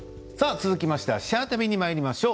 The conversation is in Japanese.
続きまして「シェア旅」にまいりましょう。